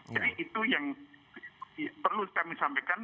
jadi itu yang perlu kami sampaikan